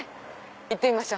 行ってみましょ。